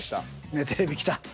目テレビ来た。